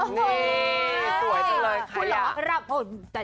สวยจังเลยใครอ่ะ